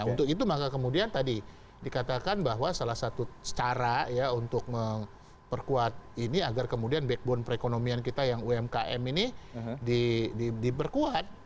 untuk itu maka kemudian tadi dikatakan bahwa salah satu cara ya untuk memperkuat ini agar kemudian backbone perekonomian kita yang umkm ini diperkuat